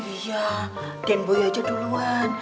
iya dan boy aja duluan